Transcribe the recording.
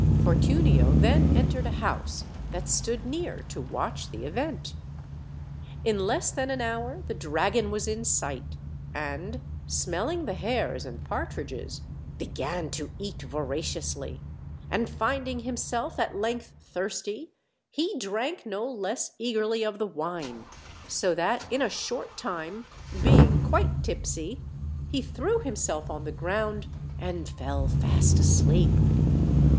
Fortunio then entered a house that stood near to watch the event. In 90 OLD, OLD FAIRY TALES. less than an hour the dragon was in sight, and, smelling the hares and partridges, began to eat voraciously; and finding himself at length thirsty, he drank no less eagerly of the wine; so that in a short time, being quite tipsy, he threw himself on the ground and fell fast asleep.